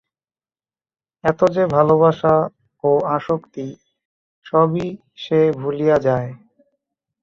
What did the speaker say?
এত যে ভালবাসা ও আসক্তি, সবই সে ভুলিয়া যায়।